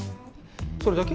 それだけ？